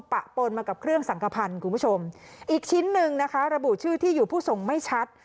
ปะปนมากับเครื่องสังขพันธ์คุณผู้ชมอีกชิ้นหนึ่งนะคะระบุชื่อที่อยู่ผู้ส่งไม่ชัด